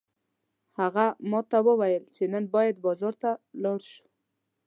هغه ماته وویل چې نن باید بازار ته لاړ شو